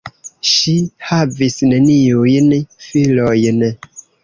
Ŝi havis neniujn filojn.